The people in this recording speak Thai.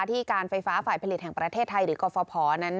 ที่การไฟฟ้าฝ่ายผลิตแห่งประเทศไทยหรือกรฟภนั้น